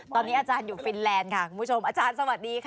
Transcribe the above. ตอนนี้อาจารย์อยู่ฟินแลนด์ค่ะคุณผู้ชมอาจารย์สวัสดีค่ะ